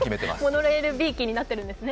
モノレールびいきになってるんですね。